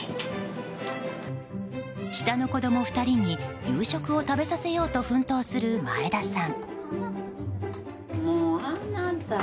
下の子供２人に夕食を食べさせようと奮闘する前田さん。